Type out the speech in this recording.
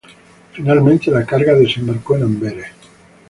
Finalmente la carga desembarcó en Amberes.